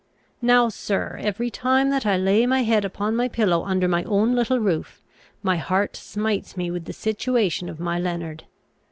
Now, sir, every time that I lay my head upon my pillow under my own little roof, my heart smites me with the situation of my Leonard.